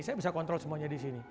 saya bisa kontrol semuanya di sini